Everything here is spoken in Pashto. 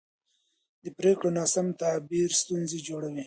د پرېکړو ناسم تعبیر ستونزې جوړوي